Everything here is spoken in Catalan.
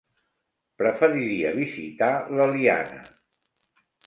Preferiria visitar l'Eliana.